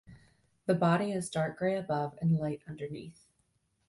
The body is dark gray above and light underneath.